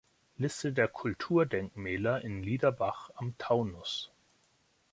Liste der Kulturdenkmäler in Liederbach am Taunus